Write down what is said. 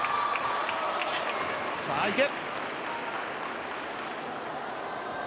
さあ行け！